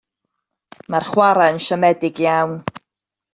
Mae'r chwarae yn siomedig iawn.